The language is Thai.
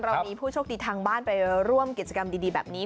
เรามีผู้โชคดีทางบ้านไปร่วมกิจกรรมดีแบบนี้